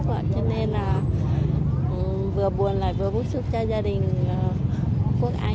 cho nên là vừa buồn lại vừa bức xúc cho gia đình quốc án